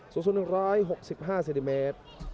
สู้สู้หนึ่ง๑๖๕เซนติเมตร